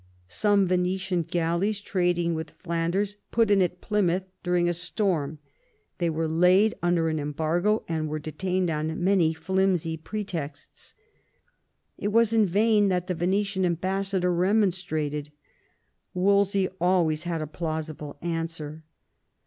Some Venetian galleys trading with Flanders put in at Plymouth during a storm ; they were laid under an embargo, and were detained on many flimsy pretexts. It was in vain that the Venetian ambassador remonstrated ; Wolsey always had a plausible answer.